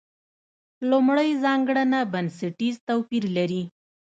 لومړۍ ځانګړنه بنسټیز توپیر لري.